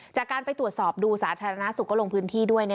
จากการไปตรวจสอบดูสาธารณสุขก็ลงพื้นที่ด้วย